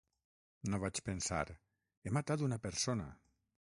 No vaig pensar: he matat una persona.